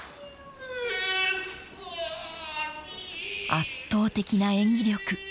［圧倒的な演技力］